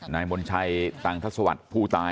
นายบนชัยตังทศวรรษผู้ต่างกัน